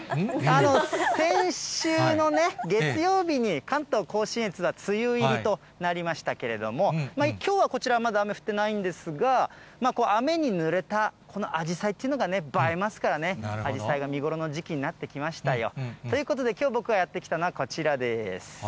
先週のね、月曜日に関東甲信越は梅雨入りとなりましたけれども、きょうはこちら、まだ雨降ってないんですが、雨にぬれたこのあじさいというのが映えますからね、あじさいが見頃の時期になってきましたよ。ということで、きょう僕がやって来たのは、こちらです。